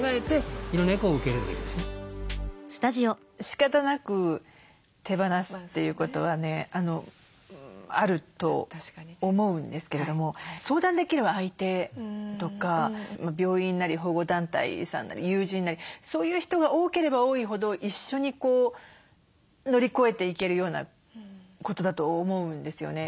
しかたなく手放すっていうことはねあると思うんですけれども相談できる相手とか病院なり保護団体さんなり友人なりそういう人が多ければ多いほど一緒に乗り越えていけるようなことだと思うんですよね。